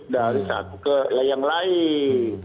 dari satu ke yang lain